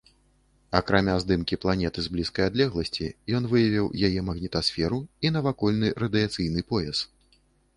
Акрамя здымкі планеты з блізкай адлегласці, ён выявіў яе магнітасферу і навакольны радыяцыйны пояс.